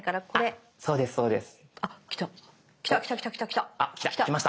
あっそうですそうです。